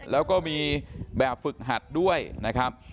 แล้วก็มีแบบฝึกหัดด้วยนะครับ